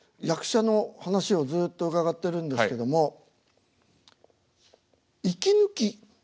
役者の話をずっと伺ってるんですけども息抜き。